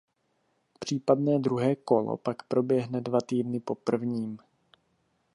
Případné druhé kolo pak proběhne dva týdny po prvním.